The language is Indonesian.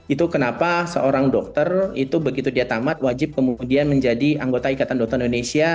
itu kenapa seorang dokter itu begitu dia tamat wajib kemudian menjadi anggota ikatan dokter indonesia